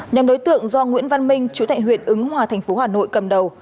nhóm đối tượng do nguyễn văn minh chú tại huyện ứng hòa thành phố hà nội cầm đầu